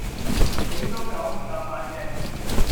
你都九唔搭八嘅